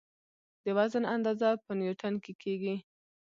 د وزن اندازه په نیوټن کې کېږي.